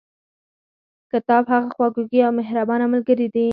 کتاب هغه خواخوږي او مهربانه ملګري دي.